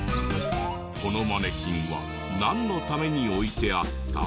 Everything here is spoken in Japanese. このマネキンはなんのために置いてあった？